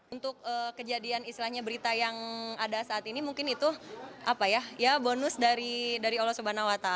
untuk kejadian islahnya berita yang ada saat ini mungkin itu bonus dari allah swt